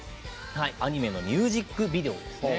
アニメのミュージックビデオ。